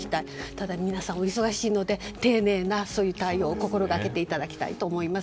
ただ、皆さんお忙しいので丁寧なそういう対応を心掛けていただきたいと思います。